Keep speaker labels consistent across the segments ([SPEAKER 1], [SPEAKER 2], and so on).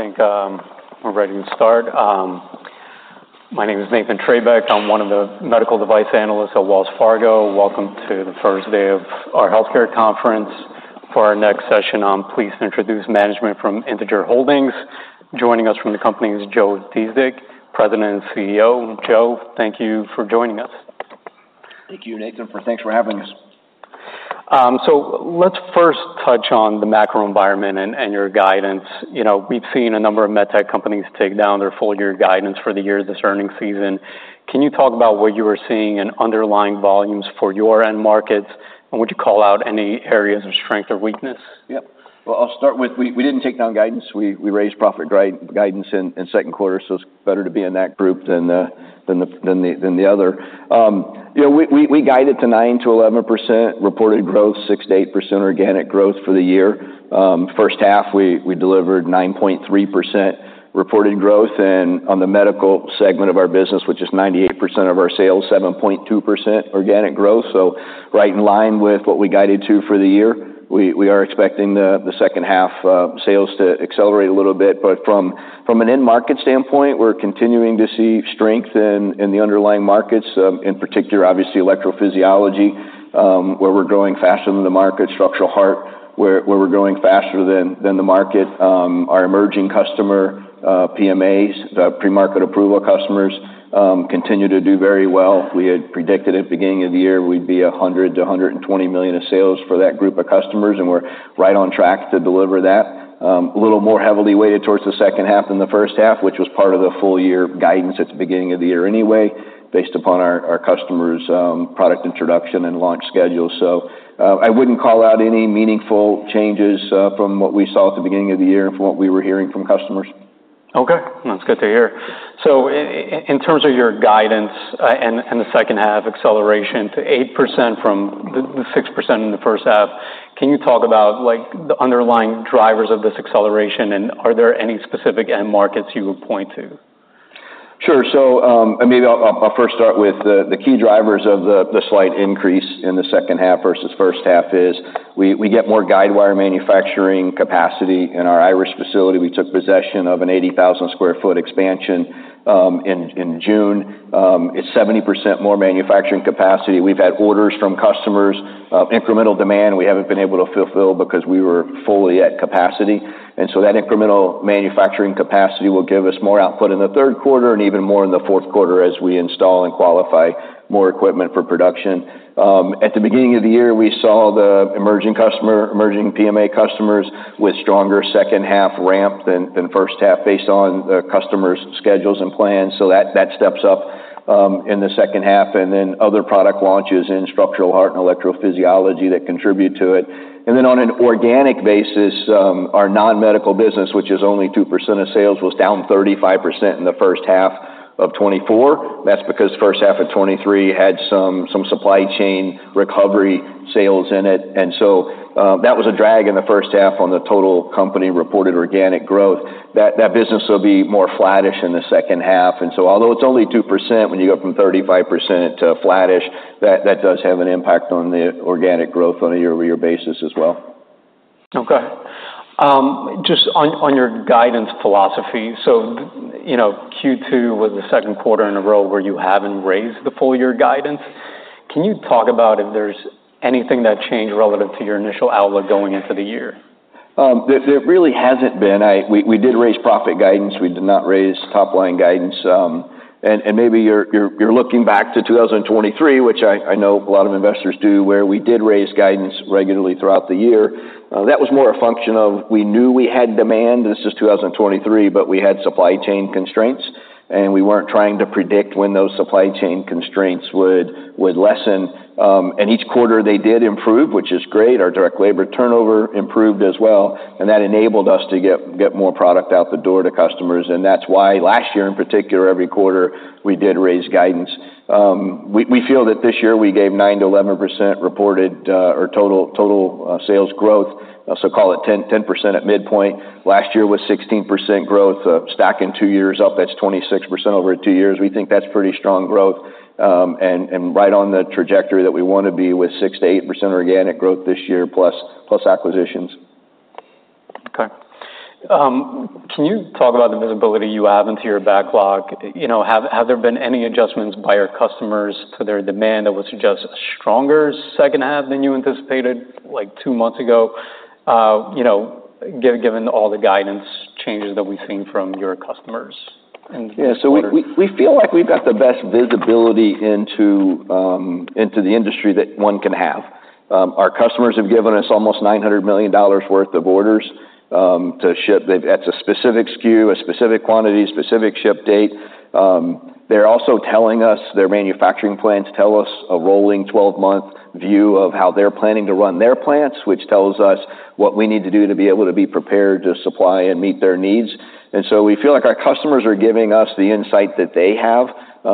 [SPEAKER 1] I think, we're ready to start. My name is Nathan Treybeck. I'm one of the medical device analysts at Wells Fargo. Welcome to the first day of our healthcare conference. For our next session, I'm pleased to introduce management from Integer Holdings. Joining us from the company is Joe Dziedzic, President and CEO. Joe, thank you for joining us.
[SPEAKER 2] Thank you, Nathan. Thanks for having us.
[SPEAKER 1] So let's first touch on the macro environment and your guidance. You know, we've seen a number of med tech companies take down their full year guidance for the year this earnings season. Can you talk about what you are seeing in underlying volumes for your end markets, and would you call out any areas of strength or weakness?
[SPEAKER 2] Yep. Well, I'll start with we didn't take down guidance. We raised guidance in second quarter, so it's better to be in that group than the other. You know, we guided to 9%-11% reported growth, 6%-8% organic growth for the year. First half, we delivered 9.3% reported growth, and on the medical segment of our business, which is 98% of our sales, 7.2% organic growth, so right in line with what we guided to for the year. We are expecting the second half sales to accelerate a little bit, but from an end market standpoint, we're continuing to see strength in the underlying markets, in particular, obviously, electrophysiology, where we're growing faster than the market, structural heart, where we're growing faster than the market. Our emerging customer PMAs, the pre-market approval customers, continue to do very well. We had predicted at the beginning of the year we'd be $100 million-$120 million of sales for that group of customers, and we're right on track to deliver that. A little more heavily weighted towards the second half than the first half, which was part of the full year guidance at the beginning of the year anyway, based upon our customers' product introduction and launch schedule. So, I wouldn't call out any meaningful changes from what we saw at the beginning of the year and from what we were hearing from customers.
[SPEAKER 1] Okay. That's good to hear. So in terms of your guidance, and the second half acceleration to 8% from the 6% in the first half, can you talk about, like, the underlying drivers of this acceleration, and are there any specific end markets you would point to?
[SPEAKER 2] Sure. So, and maybe I'll first start with the key drivers of the slight increase in the second half versus first half is we get more guidewire manufacturing capacity in our Irish facility. We took possession of an 80,000 square foot expansion in June. It's 70% more manufacturing capacity. We've had orders from customers of incremental demand we haven't been able to fulfill because we were fully at capacity. And so that incremental manufacturing capacity will give us more output in the third quarter and even more in the fourth quarter as we install and qualify more equipment for production. At the beginning of the year, we saw the emerging customer, emerging PMA customers with stronger second half ramp than first half based on the customers' schedules and plans, so that steps up in the second half, and then other product launches in structural heart and electrophysiology that contribute to it. And then on an organic basis, our non-medical business, which is only 2% of sales, was down 35% in the first half of 2024. That's because first half of 2023 had some supply chain recovery sales in it. And so, that was a drag in the first half on the total company-reported organic growth. That business will be more flattish in the second half, and so although it's only 2%, when you go from 35% to flattish, that does have an impact on the organic growth on a year-over-year basis as well.
[SPEAKER 1] Okay. Just on your guidance philosophy, so, you know, Q2 was the second quarter in a row where you haven't raised the full year guidance. Can you talk about if there's anything that changed relative to your initial outlook going into the year?
[SPEAKER 2] There really hasn't been. We did raise profit guidance. We did not raise top-line guidance. And maybe you're looking back to 2023, which I know a lot of investors do, where we did raise guidance regularly throughout the year. That was more a function of we knew we had demand, this is 2023, but we had supply chain constraints, and we weren't trying to predict when those supply chain constraints would lessen. And each quarter they did improve, which is great. Our direct labor turnover improved as well, and that enabled us to get more product out the door to customers, and that's why last year, in particular, every quarter, we did raise guidance. We feel that this year we gave 9%-11% reported or total sales growth, so call it 10% at midpoint. Last year was 16% growth. Stacking two years up, that's 26% over two years. We think that's pretty strong growth, and right on the trajectory that we want to be with 6%-8% organic growth this year, plus acquisitions.
[SPEAKER 1] Okay. Can you talk about the visibility you have into your backlog? You know, have there been any adjustments by your customers to their demand that would suggest a stronger second half than you anticipated, like two months ago, you know, given all the guidance changes that we've seen from your customers in the quarter?
[SPEAKER 2] Yeah, so we feel like we've got the best visibility into the industry that one can have. Our customers have given us almost $900 million worth of orders to ship. That's a specific SKU, a specific quantity, specific ship date. They're also telling us... Their manufacturing plants tell us a rolling twelve-month view of how they're planning to run their plants, which tells us what we need to do to be able to be prepared to supply and meet their needs. We feel like our customers are giving us the insight that they have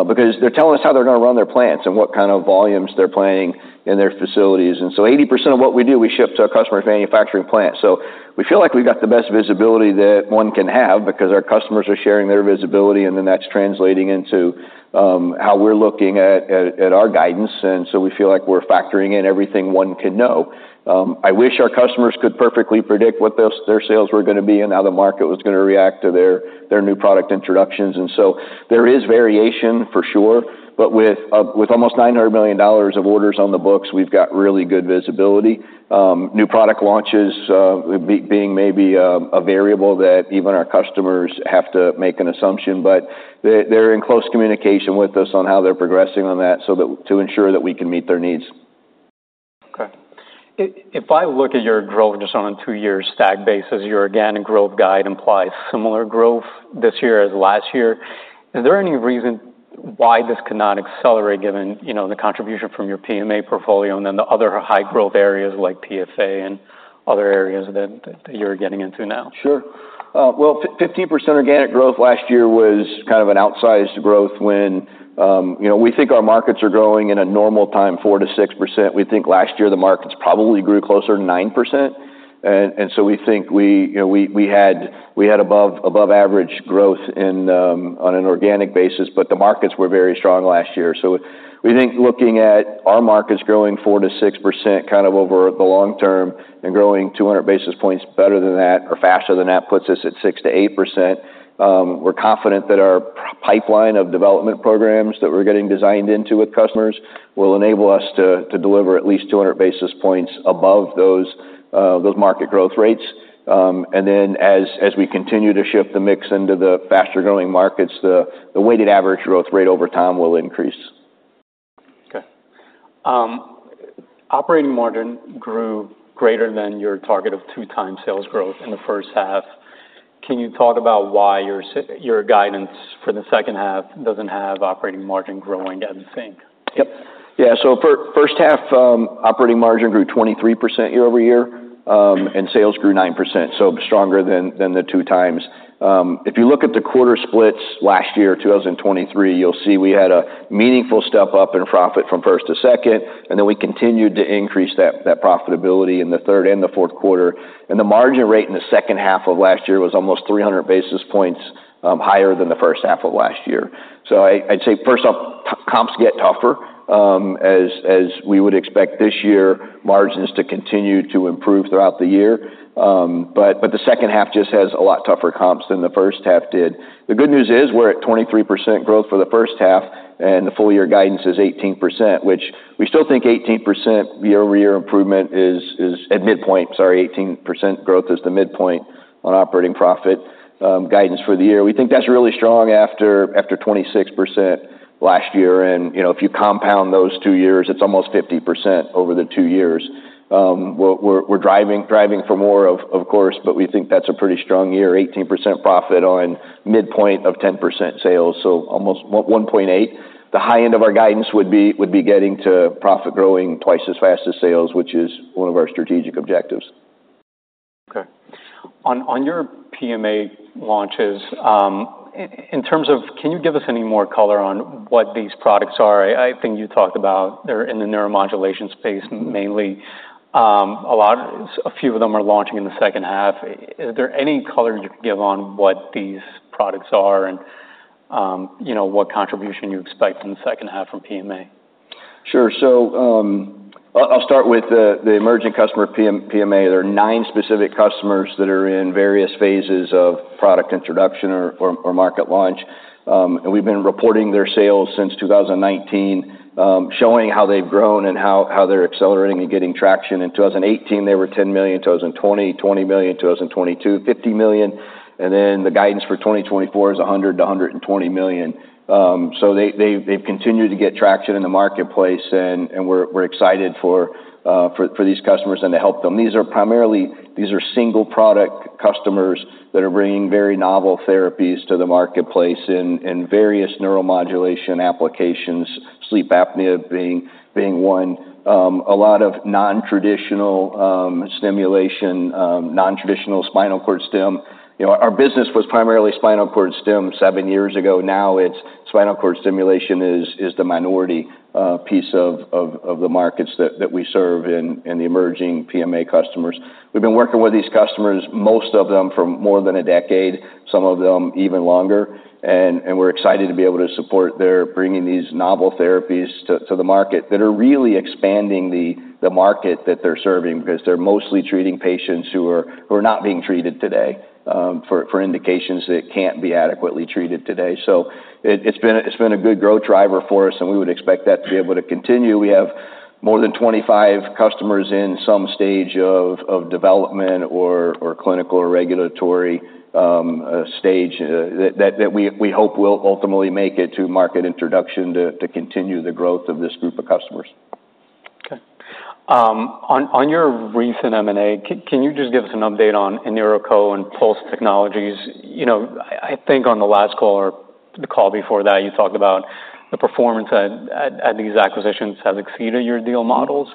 [SPEAKER 2] because they're telling us how they're going to run their plants and what kind of volumes they're planning in their facilities. 80% of what we do, we ship to our customers' manufacturing plant. So we feel like we've got the best visibility that one can have because our customers are sharing their visibility, and then that's translating into how we're looking at our guidance, and so we feel like we're factoring in everything one can know. I wish our customers could perfectly predict what their sales were going to be and how the market was going to react to their new product introductions. And so there is variation, for sure, but with almost $900 million of orders on the books, we've got really good visibility. New product launches being maybe a variable that even our customers have to make an assumption, but they're in close communication with us on how they're progressing on that, to ensure that we can meet their needs.
[SPEAKER 1] Okay. If I look at your growth just on a two-year stack basis, your organic growth guide implies similar growth this year as last year. Is there any reason why this cannot accelerate, given, you know, the contribution from your PMA portfolio and then the other high growth areas like PFA and other areas that you're getting into now?
[SPEAKER 2] Sure. Well, 15% organic growth last year was kind of an outsized growth when, you know, we think our markets are growing in a normal time, 4-6%. We think last year, the markets probably grew closer to 9%. And so we think we, you know, we had above average growth in, on an organic basis, but the markets were very strong last year. So we think looking at our markets growing 4-6%, kind of over the long term, and growing 200 basis points better than that or faster than that, puts us at 6-8%. We're confident that our pipeline of development programs that we're getting designed into with customers will enable us to deliver at least two hundred basis points above those market growth rates, and then as we continue to shift the mix into the faster-growing markets, the weighted average growth rate over time will increase.
[SPEAKER 1] Okay. Operating margin grew greater than your target of two times sales growth in the first half. Can you talk about why your guidance for the second half doesn't have operating margin growing at the same?
[SPEAKER 2] Yep. Yeah, so first half, operating margin grew 23% year-over-year, and sales grew 9%, so stronger than the two times. If you look at the quarter splits last year, 2023, you'll see we had a meaningful step up in profit from first to second, and then we continued to increase that profitability in the third and the fourth quarter, and the margin rate in the second half of last year was almost 300 basis points higher than the first half of last year. I'd say, first off, comps get tougher as we would expect this year, margins to continue to improve throughout the year, but the second half just has a lot tougher comps than the first half did. The good news is, we're at 23% growth for the first half, and the full year guidance is 18%, which we still think 18% year-over-year improvement is at midpoint, sorry, 18% growth is the midpoint on operating profit, guidance for the year. We think that's really strong after twenty-six percent last year, and, you know, if you compound those two years, it's almost 50% over the two years. We're driving for more, of course, but we think that's a pretty strong year, 18% profit on midpoint of 10% sales, so almost one point eight. The high end of our guidance would be getting to profit growing twice as fast as sales, which is one of our strategic objectives.
[SPEAKER 1] Okay. On your PMA launches, in terms of... Can you give us any more color on what these products are? I think you talked about they're in the neuromodulation space, mainly. A few of them are launching in the second half. Is there any color you can give on what these products are and, you know, what contribution you expect in the second half from PMA?
[SPEAKER 2] Sure. So, I'll start with the emerging customer PMA. There are nine specific customers that are in various phases of product introduction or market launch. And we've been reporting their sales since 2019, showing how they've grown and how they're accelerating and getting traction. In 2018, they were $10 million, 2020, $20 million, 2022, $50 million, and then the guidance for 2024 is $100 million-$120 million. So they've continued to get traction in the marketplace, and we're excited for these customers and to help them. These are primarily single product customers that are bringing very novel therapies to the marketplace in various neuromodulation applications, sleep apnea being one. A lot of non-traditional stimulation, non-traditional spinal cord stim. You know, our business was primarily spinal cord stim seven years ago. Now, it's spinal cord stimulation is the minority piece of the markets that we serve in the emerging PMA customers. We've been working with these customers, most of them, for more than a decade, some of them even longer, and we're excited to be able to support their bringing these novel therapies to the market, that are really expanding the market that they're serving, because they're mostly treating patients who are not being treated today for indications that can't be adequately treated today. So it's been a good growth driver for us, and we would expect that to be able to continue. We have more than 25 customers in some stage of development or clinical or regulatory stage that we hope will ultimately make it to market introduction to continue the growth of this group of customers.
[SPEAKER 1] Okay. On your recent M&A, can you just give us an update on InNeuroCo and Pulse Technologies? You know, I think on the last call or the call before that, you talked about the performance at these acquisitions has exceeded your deal models.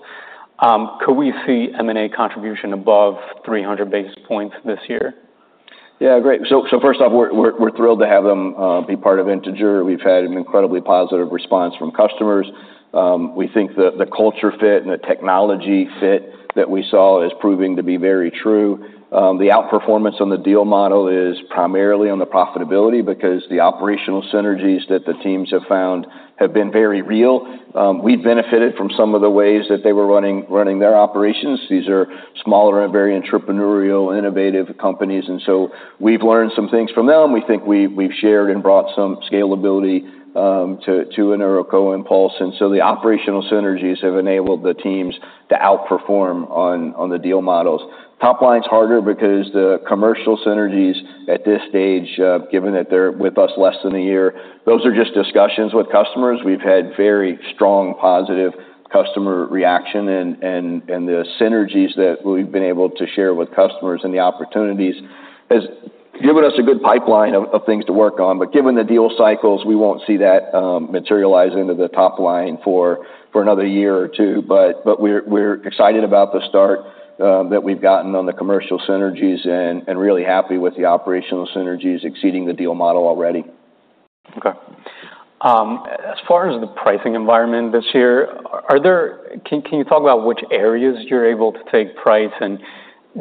[SPEAKER 1] Could we see M&A contribution above 300 basis points this year?
[SPEAKER 2] Yeah, great. So first off, we're thrilled to have them be part of Integer. We've had an incredibly positive response from customers. We think that the culture fit and the technology fit that we saw is proving to be very true. The outperformance on the deal model is primarily on the profitability, because the operational synergies that the teams have found have been very real. We've benefited from some of the ways that they were running their operations. These are smaller and very entrepreneurial, innovative companies, and so we've learned some things from them. We think we've shared and brought some scalability to InNeuroCo and Pulse, and so the operational synergies have enabled the teams to outperform on the deal models. Top line's harder because the commercial synergies at this stage, given that they're with us less than a year, those are just discussions with customers. We've had very strong, positive customer reaction and the synergies that we've been able to share with customers and the opportunities giving us a good pipeline of things to work on, but given the deal cycles, we won't see that materialize into the top line for another year or two. But we're excited about the start that we've gotten on the commercial synergies and really happy with the operational synergies exceeding the deal model already.
[SPEAKER 1] Okay. As far as the pricing environment this year, are there-- can you talk about which areas you're able to take price? And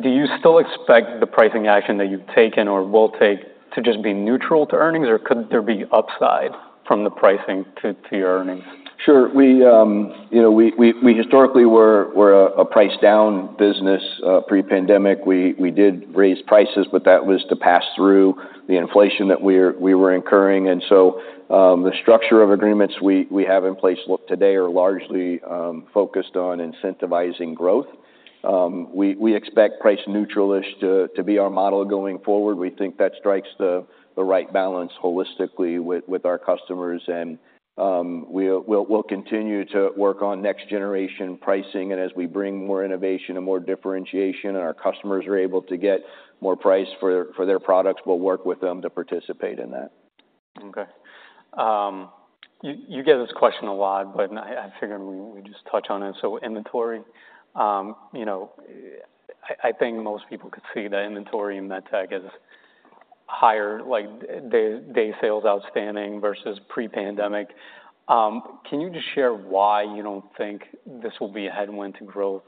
[SPEAKER 1] do you still expect the pricing action that you've taken or will take to just be neutral to earnings, or could there be upside from the pricing to your earnings?
[SPEAKER 2] Sure. We, you know, historically were a price down business. Pre-pandemic, we did raise prices, but that was to pass through the inflation that we were incurring. And so, the structure of agreements we have in place look today are largely focused on incentivizing growth. We expect price neutral-ish to be our model going forward. We think that strikes the right balance holistically with our customers. And we'll continue to work on next generation pricing, and as we bring more innovation and more differentiation, and our customers are able to get more price for their products, we'll work with them to participate in that.
[SPEAKER 1] Okay. You get this question a lot, but I figured we would just touch on it. So inventory, you know, I think most people could see that inventory in MedTech is higher, like, days sales outstanding versus pre-pandemic. Can you just share why you don't think this will be a headwind to growth?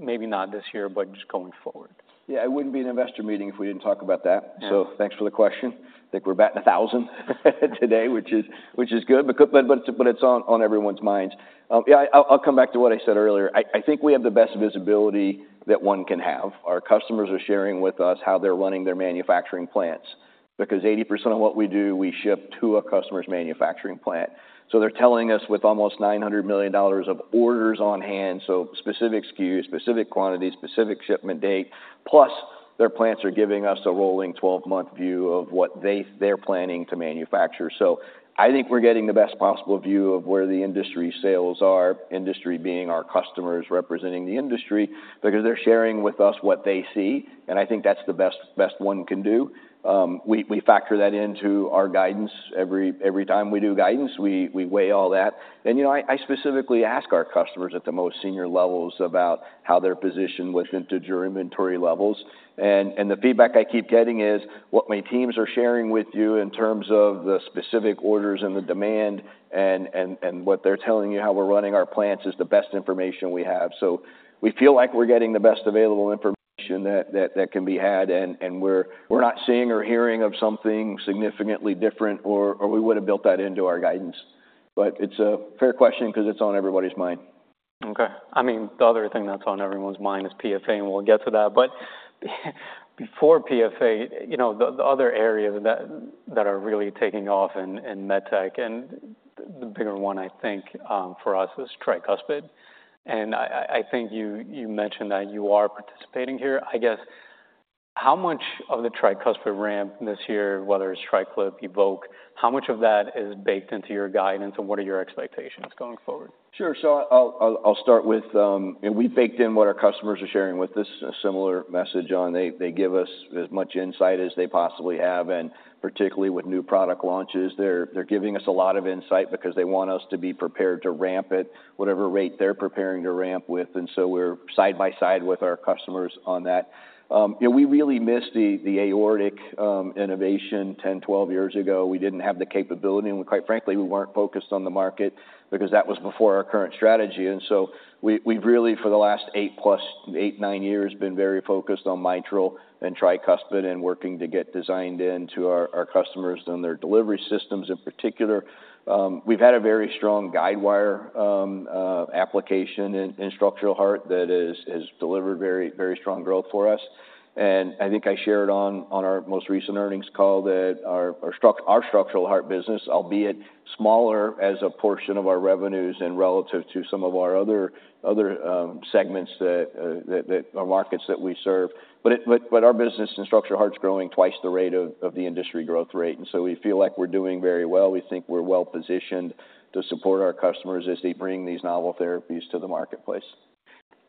[SPEAKER 1] Maybe not this year, but just going forward.
[SPEAKER 2] Yeah, it wouldn't be an investor meeting if we didn't talk about that.
[SPEAKER 1] Yeah.
[SPEAKER 2] So thanks for the question. I think we're batting a thousand today, which is good, but it's on everyone's minds. Yeah, I'll come back to what I said earlier. I think we have the best visibility that one can have. Our customers are sharing with us how they're running their manufacturing plants, because 80% of what we do, we ship to a customer's manufacturing plant. So they're telling us with almost $900 million of orders on hand, so specific SKUs, specific quantity, specific shipment date, plus their plants are giving us a rolling 12-month view of what they're planning to manufacture. So I think we're getting the best possible view of where the industry sales are, industry being our customers representing the industry, because they're sharing with us what they see, and I think that's the best one can do. We factor that into our guidance. Every time we do guidance, we weigh all that, and you know, I specifically ask our customers at the most senior levels about how they're positioned with in their inventory levels. And the feedback I keep getting is, "What my teams are sharing with you in terms of the specific orders and the demand and what they're telling you, how we're running our plants, is the best information we have." So we feel like we're getting the best available information that can be had, and we're not seeing or hearing of something significantly different or we would've built that into our guidance. But it's a fair question 'cause it's on everybody's mind.
[SPEAKER 1] Okay. I mean, the other thing that's on everyone's mind is PFA, and we'll get to that. But before PFA, you know, the other areas that are really taking off in MedTech, and the bigger one, I think, for us is tricuspid. And I think you mentioned that you are participating here. I guess, how much of the tricuspid ramp this year, whether it's TriClip, Evoque, how much of that is baked into your guidance, and what are your expectations going forward?
[SPEAKER 2] Sure. I'll start with, and we've baked in what our customers are sharing with us, a similar message on they give us as much insight as they possibly have, and particularly with new product launches, they're giving us a lot of insight because they want us to be prepared to ramp at whatever rate they're preparing to ramp with, and so we're side by side with our customers on that. You know, we really missed the aortic innovation 10-12 years ago. We didn't have the capability, and quite frankly, we weren't focused on the market because that was before our current strategy. We have really, for the last eight plus, eight, nine years, been very focused on mitral and tricuspid and working to get designed into our customers and their delivery systems in particular. We've had a very strong guidewire application in structural heart that has delivered very, very strong growth for us. And I think I shared on our most recent earnings call that our structural heart business, albeit smaller as a portion of our revenues and relative to some of our other segments or markets that we serve, but our business in structural heart is growing twice the rate of the industry growth rate, and so we feel like we're doing very well. We think we're well-positioned to support our customers as they bring these novel therapies to the marketplace.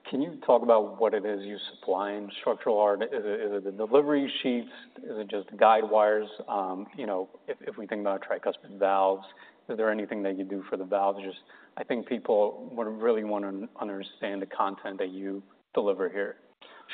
[SPEAKER 1] Can you talk about what it is you supply in structural heart? Is it, is it the delivery sheaths? Is it just guidewires? You know, if we think about tricuspid valves, is there anything that you do for the valves? Just, I think people would really want to understand the content that you deliver here.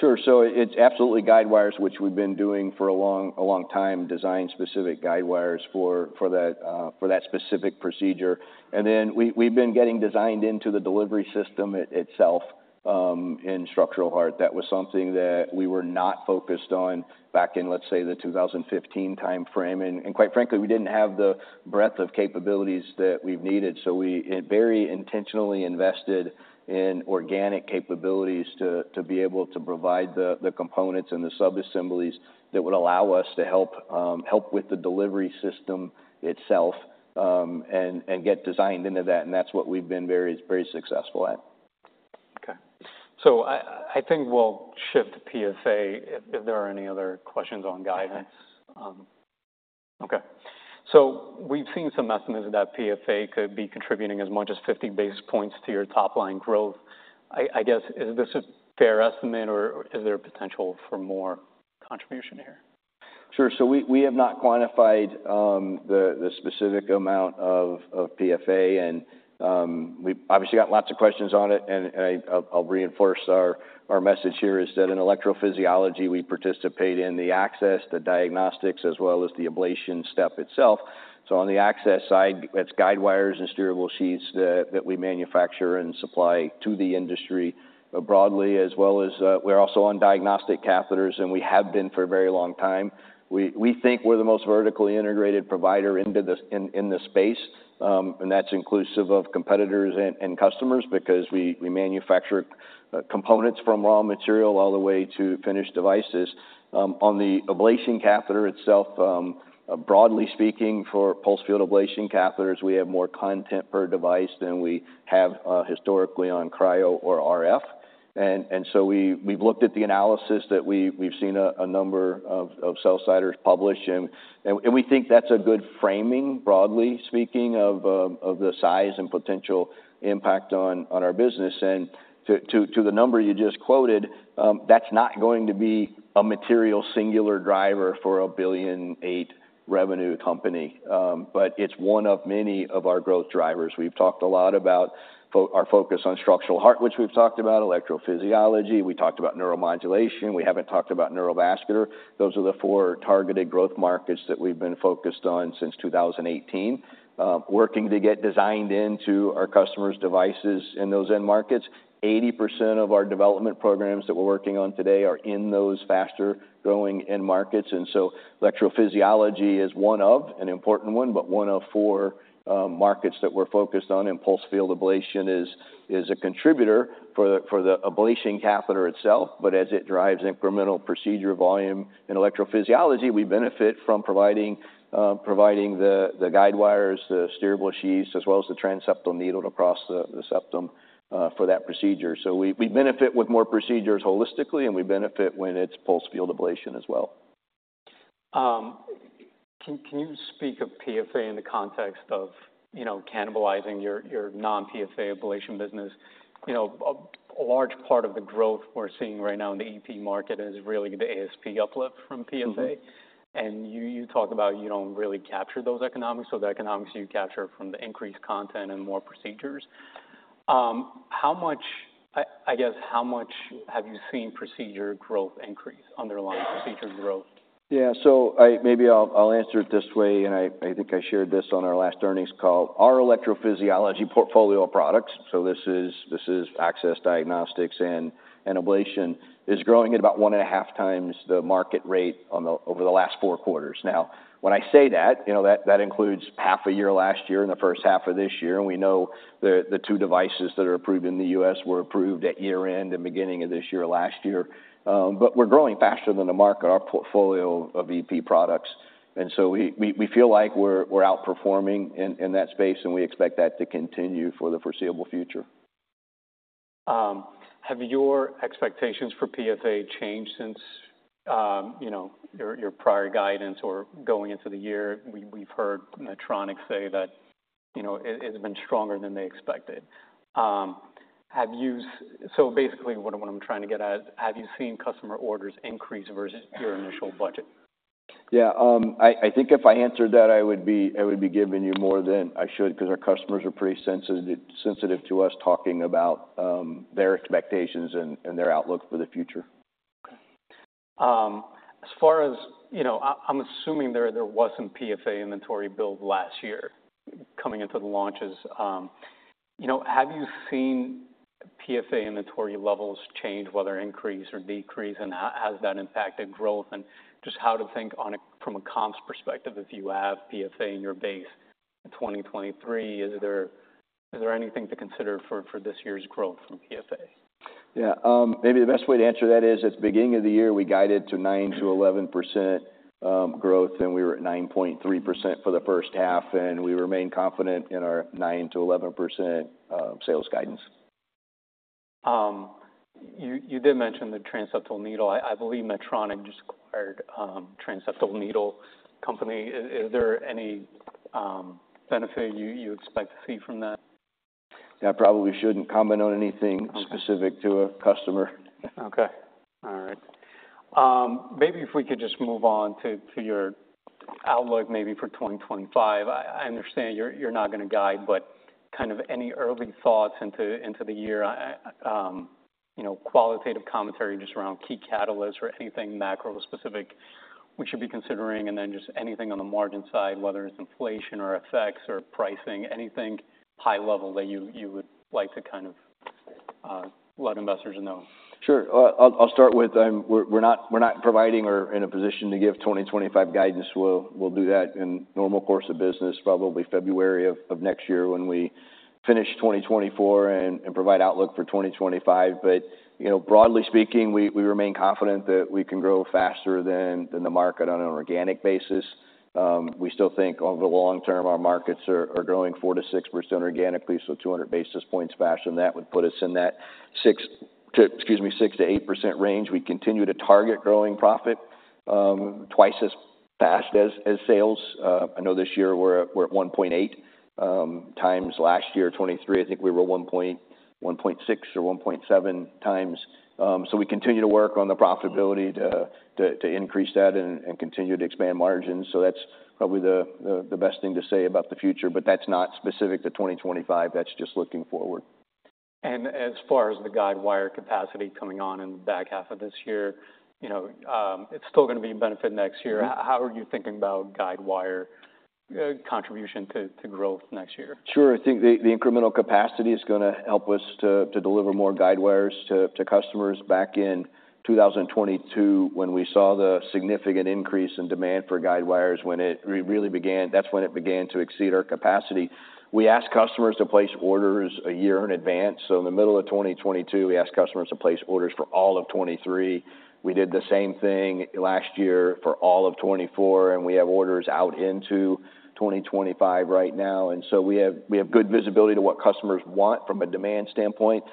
[SPEAKER 2] Sure. So it's absolutely guidewires, which we've been doing for a long time, design specific guidewires for that specific procedure. And then we've been getting designed into the delivery system itself in structural heart. That was something that we were not focused on back in, let's say, the 2015 timeframe. And quite frankly, we didn't have the breadth of capabilities that we've needed. So we very intentionally invested in organic capabilities to be able to provide the components and the subassemblies that would allow us to help with the delivery system itself, and get designed into that, and that's what we've been very successful at.
[SPEAKER 1] Okay. So I think we'll shift to PFA if there are any other questions on guidance. Okay, so we've seen some estimates that PFA could be contributing as much as 50 basis points to your top line growth. I guess, is this a fair estimate, or is there potential for more contribution here?
[SPEAKER 2] Sure. So we have not quantified the specific amount of PFA, and we've obviously got lots of questions on it, and I'll reinforce. Our message here is that in electrophysiology, we participate in the access, the diagnostics, as well as the ablation step itself. So on the access side, it's guide wires and steerable sheaths that we manufacture and supply to the industry broadly, as well as we're also on diagnostic catheters, and we have been for a very long time. We think we're the most vertically integrated provider into the space, and that's inclusive of competitors and customers because we manufacture components from raw material all the way to finished devices. On the ablation catheter itself, broadly speaking, for pulsed field ablation catheters, we have more content per device than we have historically on cryo or RF. And so we've looked at the analysis that we've seen a number of sell-siders publish, and we think that's a good framing, broadly speaking, of the size and potential impact on our business. And to the number you just quoted, that's not going to be a material singular driver for a $1.8 billion revenue company. But it's one of many of our growth drivers. We've talked a lot about our focus on structural heart, which we've talked about, electrophysiology, we talked about neuromodulation, we haven't talked about neurovascular. Those are the four targeted growth markets that we've been focused on since two thousand and eighteen, working to get designed into our customers' devices in those end markets. 80% of our development programs that we're working on today are in those faster-growing end markets. And so electrophysiology is one of, an important one, but one of four, markets that we're focused on, and pulsed field ablation is a contributor for the ablation catheter itself. But as it drives incremental procedure volume in electrophysiology, we benefit from providing the guide wires, the steerable sheaths, as well as the transseptal needle across the septum, for that procedure. So we benefit with more procedures holistically, and we benefit when it's pulsed field ablation as well.
[SPEAKER 1] Can you speak of PFA in the context of, you know, cannibalizing your non-PFA ablation business? You know, a large part of the growth we're seeing right now in the EP market is really the ASP uplift from PFA.
[SPEAKER 2] Mm-hmm.
[SPEAKER 1] You talk about you don't really capture those economics, so the economics you capture from the increased content and more procedures. I guess, how much have you seen procedure growth increase, underlying procedure growth?
[SPEAKER 2] Yeah. So I maybe I'll, I'll answer it this way, and I think I shared this on our last earnings call. Our electrophysiology portfolio of products, so this is, this is access diagnostics and, and ablation, is growing at about one and a half times the market rate over the last four quarters. Now, when I say that, you know, that, that includes half a year last year and the first half of this year, and we know the, the two devices that are approved in the U.S. were approved at year-end and beginning of this year, last year. But we're growing faster than the market, our portfolio of EP products. And so we, we feel like we're, we're outperforming in, in that space, and we expect that to continue for the foreseeable future.
[SPEAKER 1] Have your expectations for PFA changed since, you know, your prior guidance or going into the year? We've heard Medtronic say that, you know, it's been stronger than they expected. So basically, what I'm trying to get at is, have you seen customer orders increase versus your initial budget?
[SPEAKER 2] Yeah. I think if I answered that, I would be giving you more than I should, 'cause our customers are pretty sensitive to us talking about their expectations and their outlook for the future.
[SPEAKER 1] Okay. As far as... You know, I, I'm assuming there was some PFA inventory build last year coming into the launches. You know, have you seen PFA inventory levels change, whether increase or decrease, and has that impacted growth? And just how to think on a, from a comps perspective, if you have PFA in your base in 2023, is there anything to consider for this year's growth from PFA?
[SPEAKER 2] Yeah. Maybe the best way to answer that is, at the beginning of the year, we guided to 9%-11% growth, and we were at 9.3% for the first half, and we remain confident in our 9%-11% sales guidance.
[SPEAKER 1] You did mention the transseptal needle. I believe Medtronic just acquired transseptal needle company. Is there any benefit you expect to see from that?
[SPEAKER 2] Yeah, I probably shouldn't comment on anything specific to a customer.
[SPEAKER 1] Okay. All right. Maybe if we could just move on to your outlook, maybe for twenty twenty-five. I understand you're not gonna guide, but kind of any early thoughts into the year? You know, qualitative commentary just around key catalysts or anything macro-specific we should be considering, and then just anything on the margin side, whether it's inflation or effects or pricing, anything high level that you would like to kind of let investors know?
[SPEAKER 2] Sure. I'll start with, we're not providing or in a position to give 2025 guidance. We'll do that in normal course of business, probably February of next year when we finish 2024 and provide outlook for 2025. But, you know, broadly speaking, we remain confident that we can grow faster than the market on an organic basis. We still think over the long term, our markets are growing 4-6% organically, so 200 basis points faster than that would put us in that 6-8% range. We continue to target growing profit twice as fast as sales. I know this year we're at 1.8 times last year, 2023. I think we were 1.6 or 1.7 times. So we continue to work on the profitability to increase that and continue to expand margins. So that's probably the best thing to say about the future, but that's not specific to 2025. That's just looking forward.
[SPEAKER 1] And as far as the guidewire capacity coming on in the back half of this year, you know, it's still gonna be in benefit next year. How are you thinking about guidewire, contribution to growth next year?
[SPEAKER 2] Sure. I think the incremental capacity is gonna help us to deliver more guidewires to customers. Back in 2022, when we saw the significant increase in demand for guidewires, when it really began, that's when it began to exceed our capacity. We asked customers to place orders a year in advance, so in the middle of 2022, we asked customers to place orders for all of 2023. We did the same thing last year for all of 2024, and we have orders out into 2025 right now, and so we have good visibility to what customers want from a demand standpoint.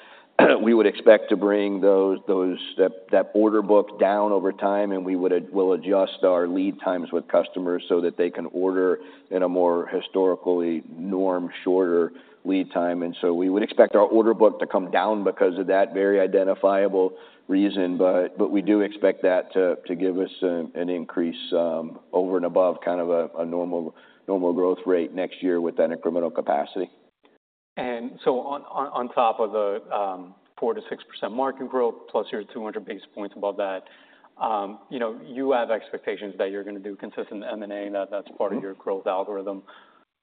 [SPEAKER 2] We would expect to bring that order book down over time, and we'll adjust our lead times with customers so that they can order in a more historically normal, shorter lead time. And so we would expect our order book to come down because of that very identifiable reason, but we do expect that to give us an increase over and above kind of a normal growth rate next year with that incremental capacity.
[SPEAKER 1] And so on top of the 4%-6% market growth, plus your 200 basis points above that, you know, you have expectations that you're gonna do consistent M&A, and that's part of your growth algorithm.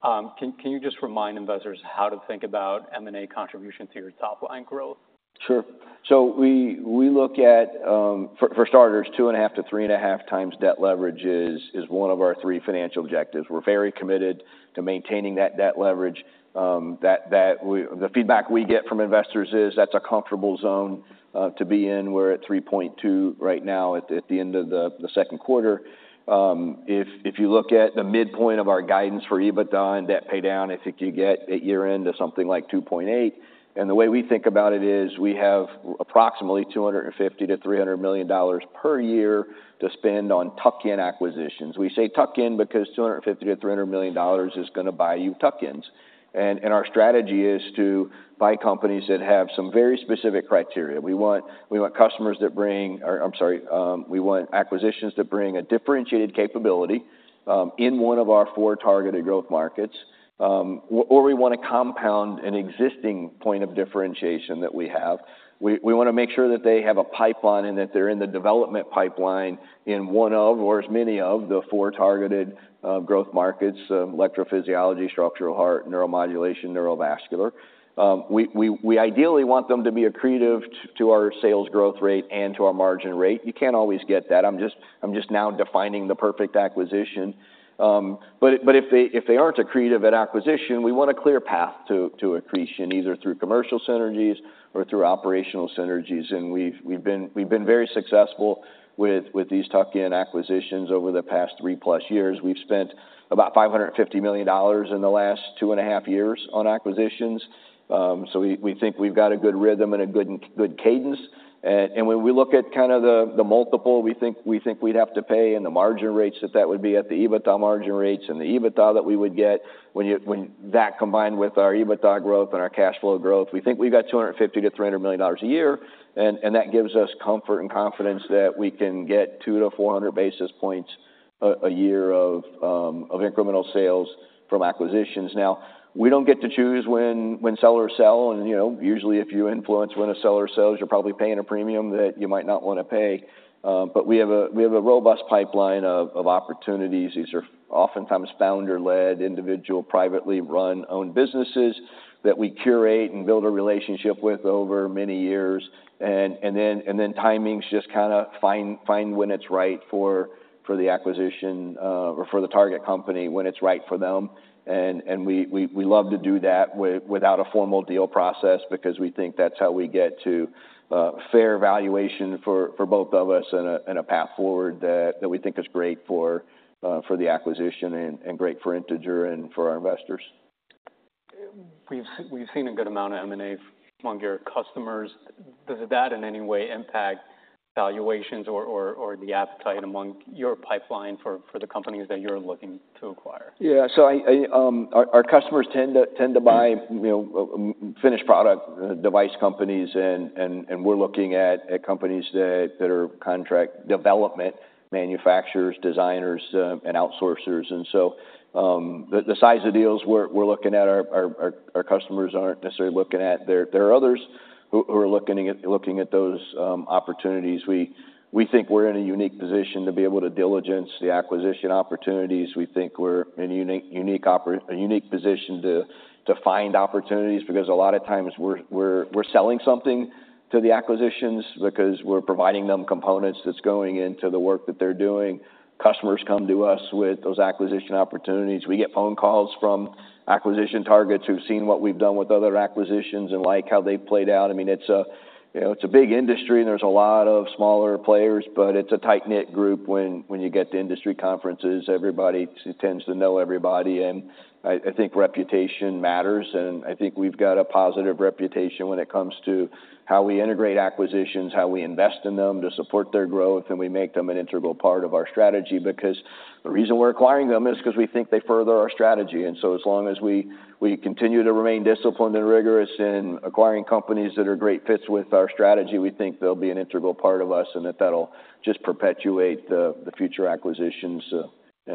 [SPEAKER 1] Can you just remind investors how to think about M&A contribution to your top-line growth?
[SPEAKER 2] Sure. We look at, for starters, 2.5-3.5 times debt leverage is one of our three financial objectives. We're very committed to maintaining that debt leverage. The feedback we get from investors is that's a comfortable zone to be in. We're at 3.2 right now at the end of the second quarter. If you look at the midpoint of our guidance for EBITDA and debt paydown, I think you get at year-end to something like 2.8, and the way we think about it is we have approximately $250 million-$300 million per year to spend on tuck-in acquisitions. We say tuck-in because $250 million-$300 million is gonna buy you tuck-ins. Our strategy is to buy companies that have some very specific criteria. We want customers that bring... Or I'm sorry, we want acquisitions that bring a differentiated capability in one of our four targeted growth markets, or we wanna compound an existing point of differentiation that we have. We wanna make sure that they have a pipeline and that they're in the development pipeline in one of, or as many of, the four targeted growth markets: electrophysiology, structural heart, neuromodulation, neurovascular. We ideally want them to be accretive to our sales growth rate and to our margin rate. You can't always get that. I'm just now defining the perfect acquisition. But if they aren't accretive at acquisition, we want a clear path to accretion, either through commercial synergies or through operational synergies, and we've been very successful with these tuck-in acquisitions over the past three-plus years. We've spent about $550 million in the last two and a half years on acquisitions. So we think we've got a good rhythm and a good cadence. and when we look at kind of the multiple, we think we'd have to pay and the margin rates, that would be at the EBITDA margin rates and the EBITDA that we would get, when that combined with our EBITDA growth and our cash flow growth, we think we've got $250 million-$300 million a year, and that gives us comfort and confidence that we can get 200-400 basis points a year of incremental sales from acquisitions. Now, we don't get to choose when sellers sell, and you know, usually, if you influence when a seller sells, you're probably paying a premium that you might not wanna pay. But we have a robust pipeline of opportunities. These are oftentimes founder-led, individual, privately run, owned businesses that we curate and build a relationship with over many years. Then timing's just kind of find when it's right for the acquisition or for the target company, when it's right for them. We love to do that without a formal deal process because we think that's how we get to a fair valuation for both of us and a path forward that we think is great for the acquisition and great for Integer and for our investors.
[SPEAKER 1] We've seen a good amount of M&A among your customers. Does that in any way impact valuations or the appetite among your pipeline for the companies that you're looking to acquire?
[SPEAKER 2] Yeah, so I. Our customers tend to buy, you know, finished product device companies, and we're looking at companies that are contract development manufacturers, designers, and outsourcers, and so the size of deals we're looking at, our customers aren't necessarily looking at. There are others who are looking at those opportunities. We think we're in a unique position to be able to diligence the acquisition opportunities. We think we're in a unique position to find opportunities, because a lot of times we're selling something to the acquisitions because we're providing them components that's going into the work that they're doing. Customers come to us with those acquisition opportunities. We get phone calls from acquisition targets who've seen what we've done with other acquisitions and like how they've played out. I mean, it's a, you know, it's a big industry, and there's a lot of smaller players, but it's a tight-knit group when you get to industry conferences, everybody tends to know everybody, and I think reputation matters, and I think we've got a positive reputation when it comes to how we integrate acquisitions, how we invest in them to support their growth, and we make them an integral part of our strategy. Because the reason we're acquiring them is 'cause we think they further our strategy. And so as long as we continue to remain disciplined and rigorous in acquiring companies that are great fits with our strategy, we think they'll be an integral part of us and that that'll just perpetuate the future acquisitions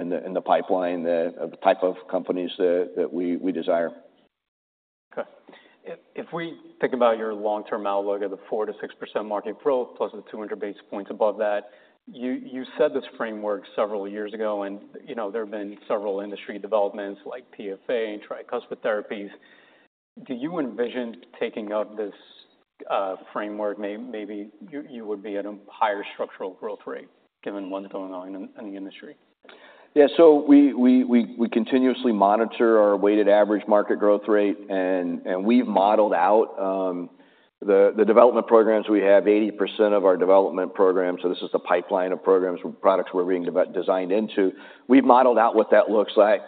[SPEAKER 2] in the pipeline of the type of companies that we desire.
[SPEAKER 1] Okay. If we think about your long-term outlook of the 4-6% market growth, plus the 200 basis points above that, you said this framework several years ago, and you know, there have been several industry developments like PFA and tricuspid therapies. Do you envision taking out this framework? Maybe you would be at a higher structural growth rate, given what's going on in the industry?
[SPEAKER 2] Yeah, so we continuously monitor our weighted average market growth rate, and we've modeled out the development programs. We have 80% of our development programs, so this is the pipeline of programs, products we're being designed into. We've modeled out what that looks like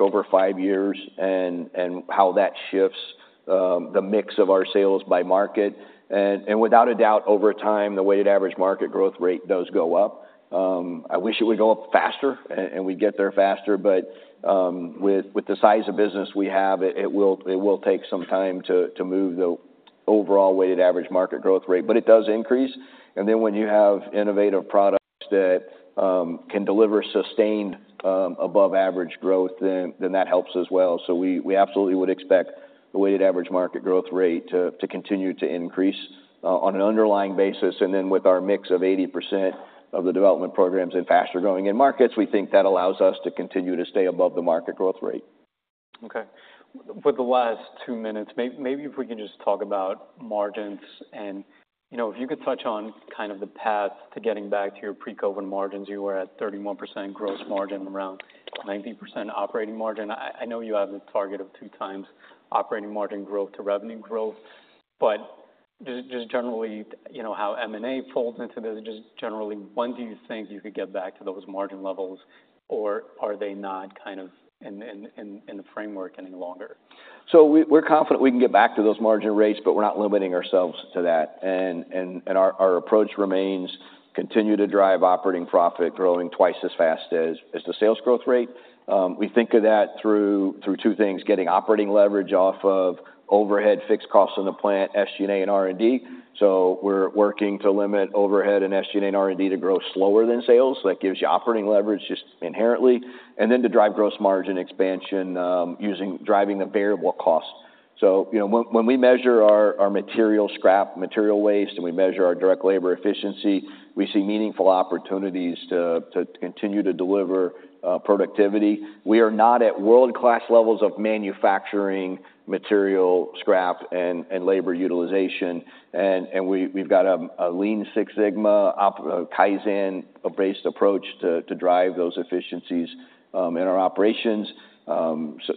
[SPEAKER 2] over five years and how that shifts the mix of our sales by market. And without a doubt, over time, the weighted average market growth rate does go up. I wish it would go up faster and we'd get there faster, but with the size of business we have, it will take some time to move the overall weighted average market growth rate, but it does increase. And then when you have innovative products that can deliver sustained above average growth, then that helps as well. So we absolutely would expect the weighted average market growth rate to continue to increase on an underlying basis, and then with our mix of 80% of the development programs in faster growing end markets, we think that allows us to continue to stay above the market growth rate.
[SPEAKER 1] Okay. With the last two minutes, maybe if we can just talk about margins. And, you know, if you could touch on kind of the path to getting back to your pre-COVID margins. You were at 31% gross margin, around 19% operating margin. I know you have a target of two times operating margin growth to revenue growth, but just generally, you know, how M&A folds into this, just generally, when do you think you could get back to those margin levels, or are they not kind of in the framework any longer?
[SPEAKER 2] So we, we're confident we can get back to those margin rates, but we're not limiting ourselves to that. And our approach remains continue to drive operating profit, growing twice as fast as the sales growth rate. We think of that through two things: getting operating leverage off of overhead, fixed costs in the plant, SG&A and R&D. So we're working to limit overhead and SG&A and R&D to grow slower than sales. So that gives you operating leverage just inherently. And then to drive gross margin expansion, driving the variable costs. So, you know, when we measure our material scrap, material waste, and we measure our direct labor efficiency, we see meaningful opportunities to continue to deliver productivity. We are not at world-class levels of manufacturing, material scrap, and labor utilization, and we've got a Lean Six Sigma, Kaizen-based approach to drive those efficiencies in our operations.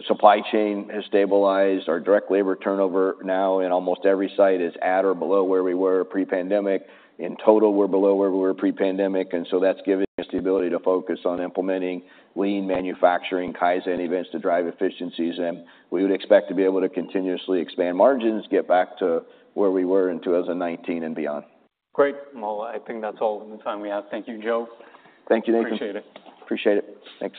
[SPEAKER 2] Supply chain has stabilized. Our direct labor turnover now in almost every site is at or below where we were pre-pandemic. In total, we're below where we were pre-pandemic, and so that's giving us the ability to focus on implementing lean manufacturing, Kaizen events to drive efficiencies, and we would expect to be able to continuously expand margins, get back to where we were in 2019 and beyond.
[SPEAKER 1] Great. Well, I think that's all the time we have. Thank you, Joe.
[SPEAKER 2] Thank you, Nathan.
[SPEAKER 1] Appreciate it.
[SPEAKER 2] Appreciate it. Thanks.